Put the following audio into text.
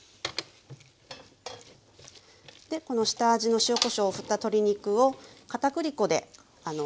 でこの下味の塩こしょうをふった鶏肉をかたくり粉でまぶしていきます。